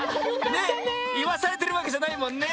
ねっいわされてるわけじゃないもんね。